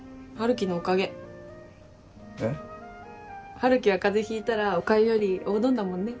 春樹は風邪ひいたらおかゆよりおうどんだもんね。